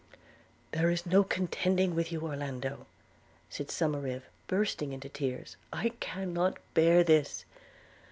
'There is no contending with you, Orlando,' said Mr Somerive, bursting into tears; 'I cannot bear this!